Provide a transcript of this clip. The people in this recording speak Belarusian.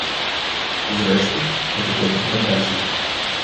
Зрэшты, гэта толькі фантазіі.